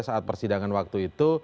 saat persidangan waktu itu